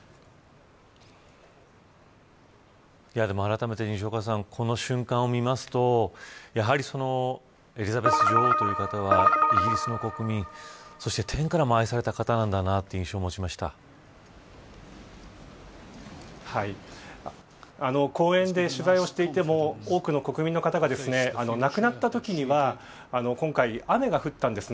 でもあらためて、西岡さんこの瞬間を見ますとやはりエリザベス女王という方はイギリスの国民、そして天からも愛された方なんだな公園で取材をしていても多くの国民の方が亡くなったときには今回雨が降ったんです。